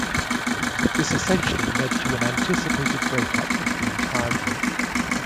This essentially led to an anticipated breakup of the entire group.